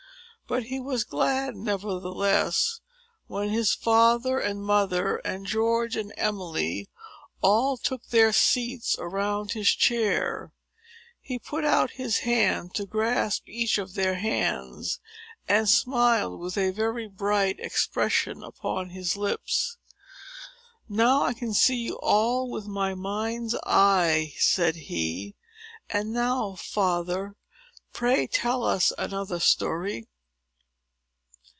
But he was glad, nevertheless, when his father and mother, and George and Emily, all took their seats around his chair. He put out his hand to grasp each of their hands, and smiled with a very bright expression upon his lips. "Now I can see you all, with my mind's eye," said he; "and now, father, pray tell us another story."